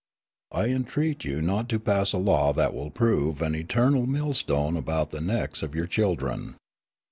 I entreat you not to pass a law that will prove an eternal millstone about the necks of your children.